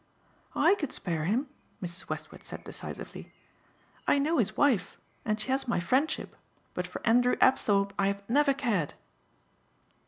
"I could spare him," Mrs. Westward said decisively. "I know his wife and she has my friendship but for Andrew Apthorpe I have never cared."